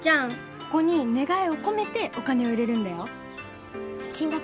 ここに願いを込めてお金を入れるんだよ。